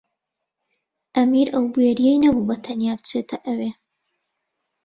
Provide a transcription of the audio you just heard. ئەمیر ئەو بوێرییەی نەبوو بەتەنیا بچێتە ئەوێ.